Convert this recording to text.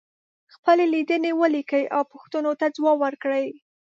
خپلې لیدنې ولیکئ او پوښتنو ته ځواب ورکړئ.